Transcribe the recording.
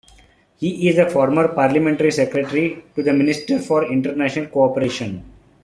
He is a former parliamentary secretary to the Minister for International Cooperation.